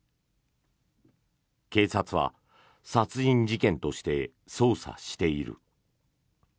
警察は殺人事件として捜査している。